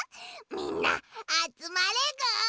みんなあつまれぐ！